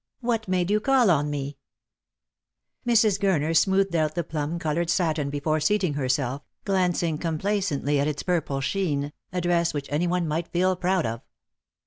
" What made you call on me ?" Mrs. Gurner smoothed out the plum coloured satin before seating herself, glancing complacently at its purple sheen, a dress which any one might feel proud of.